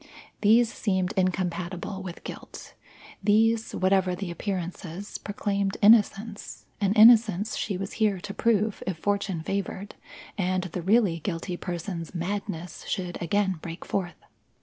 These seemed incompatible with guilt; these, whatever the appearances, proclaimed innocence an innocence she was here to prove if fortune favoured and the really guilty person's madness should again break forth.